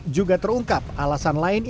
juga terungkap alasan lain